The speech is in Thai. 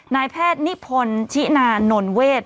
นายแพทย์นิพนธ์ชินานนเวท